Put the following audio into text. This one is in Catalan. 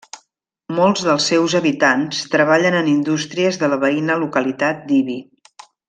Molts dels seus habitants treballen en indústries de la veïna localitat d'Ibi.